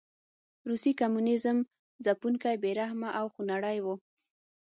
روسي کمونېزم ځپونکی، بې رحمه او خونړی و.